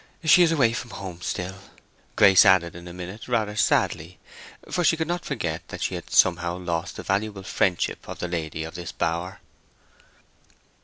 "She is away from home still," Grace added in a minute, rather sadly, for she could not forget that she had somehow lost the valuable friendship of the lady of this bower.